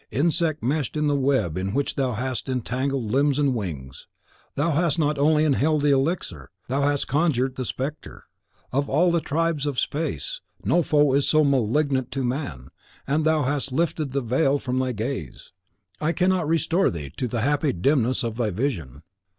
insect meshed in the web in which thou hast entangled limbs and wings! Thou hast not only inhaled the elixir, thou hast conjured the spectre; of all the tribes of the space, no foe is so malignant to man, and thou hast lifted the veil from thy gaze. I cannot restore to thee the happy dimness of thy vision.